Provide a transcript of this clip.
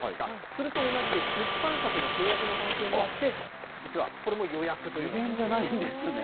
それと同じで出版社との契約の関係もあって、実はこれも予約とい無限じゃないんですね。